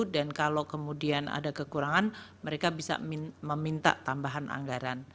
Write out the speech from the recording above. dan kalau kemudian ada kekurangan mereka bisa meminta tambahan anggaran